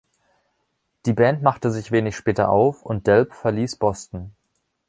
Die Band machte sich wenig später auf, und Delp verließ Boston.